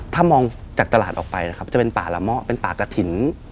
ถ้ามองจากตลาดออกไปนะครับจะเป็นป่าละเมาะเป็นป่ากระถิ่น